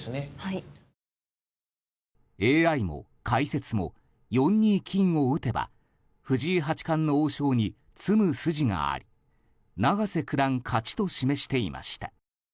ＡＩも、解説も４二金を打てば藤井八冠の王将に詰む筋があり永瀬九段勝ちと示していました。